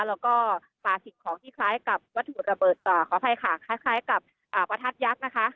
แล้วก็ฝ่าสิ่งของที่คล้ายกับวัตถุระเบิดขออภัยค่ะคล้ายกับประทัดยักษ์นะคะ